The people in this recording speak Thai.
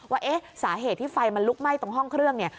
ว่าเอ๊ะสาเหตุที่ไฟมันลุกไหม้ตรงห้องเครื่องเนี่ย